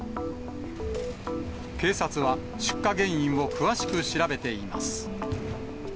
警察は、出火原因を詳しく調べています。